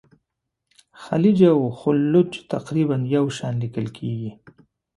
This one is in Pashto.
خلج او خُلُّخ تقریبا یو شان لیکل کیږي.